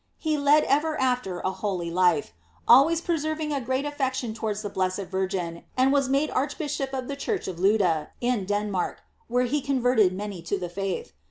He led ever after a holy life, always preserving a great affection towards the blessed Virgin, and was made Archbishop of the Church of Lude, in Denmark, where he con verted many to the faith.